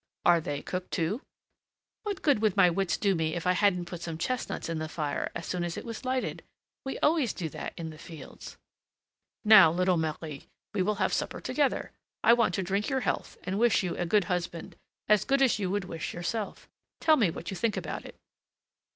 "Are they cooked, too?" "What good would my wits do me if I hadn't put some chestnuts in the fire as soon as it was lighted? We always do that in the fields." "Now, little Marie, we will have supper together! I want to drink your health and wish you a good husband as good as you would wish yourself. Tell me what you think about it!"